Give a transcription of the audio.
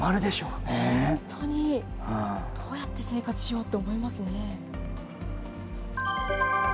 どうやって生活しようと思いますね。